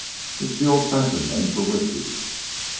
It's the old fashioned name for whisky.